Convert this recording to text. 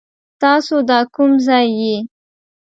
تاسو دا کوم ځای يي ؟